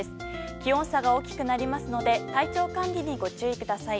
気温差が大きくなりますので体調管理にご注意ください。